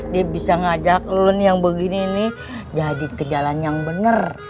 dia bisa ngajak lu yang begini nih jadi kejalanan yang benar